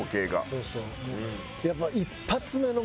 そうそう。